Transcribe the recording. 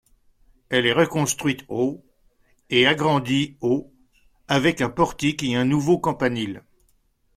Elle est reconstruite au et agrandie au avec un portique et un nouveau campanile.